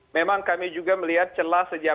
memang kami juga melihat celah sejak